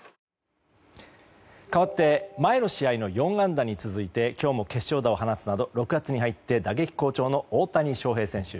かわって前の試合の４安打に続いて今日も決勝打を放つなど６月に入って打撃好調の大谷翔平選手。